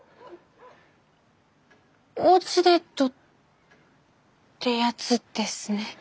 おうちデートってやつですね。